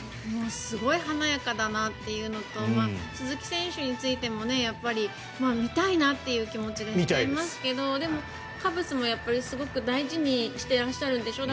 すごい華やかだなというのと鈴木選手についてもやっぱり見たいなという気持ちがしちゃいますけどでも、カブスもすごく大事にしてらっしゃるんでしょう。